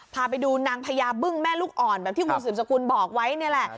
พาไปดูนางพญาบึ้งแม่ลูกอ่อนแบบที่คุณสืบสกุลบอกไว้นี่แหละ